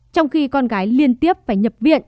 trong khi con gái liên tiếp phải nhập viện